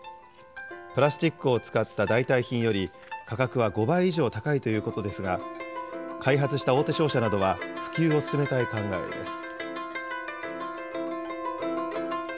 プラスチックを使った代替品より、価格は５倍以上高いということですが、開発した大手商社などは普及を進めたい考えです。